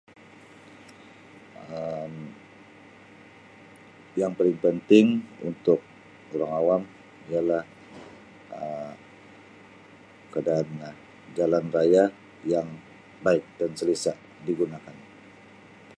Um Yang paling penting untuk orang awam ialah Um keadaan jalan raya yang baik dan selesa digunakan.